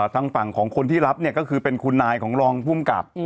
ทางฝั่งของคนที่รับเนี่ยก็คือเป็นคุณนายของรองภูมิกับ